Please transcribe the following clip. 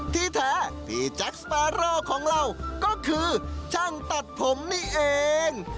ที่แท้พี่แจ็คสปาโร่ของเราก็คือช่างตัดผมนี่เอง